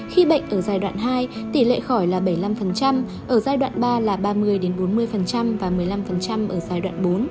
khi bệnh ở giai đoạn hai tỷ lệ khỏi là bảy mươi năm ở giai đoạn ba là ba mươi bốn mươi và một mươi năm ở giai đoạn bốn